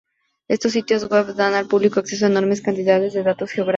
Estos sitios web dan al público acceso a enormes cantidades de datos geográficos.